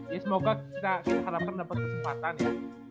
ya semoga kita harapkan dapat kesempatan ya